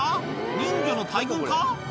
人魚の大群か？